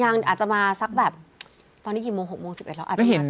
ยังอาจจะมาซักแบบตอนนี้กี่โมง๖โมง๑๑แล้วไม่เห็น